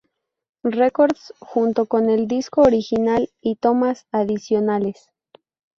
Records junto con el disco original y tomas adicionales.